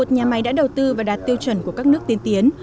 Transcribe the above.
một mươi một nhà máy đã đầu tư và đạt tiêu chuẩn của các nước tiên tiến